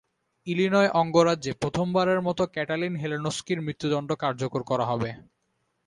Illinois অঙ্গরাজ্যে প্রথমবারের মতো Katalin হেলেনস্কির মৃত্যুদন্ড কার্যকর করা হবে।